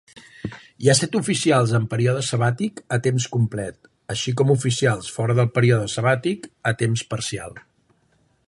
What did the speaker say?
Hi ha set oficials en període sabàtic a temps complet, així com oficials fora de període sabàtic a temps parcial.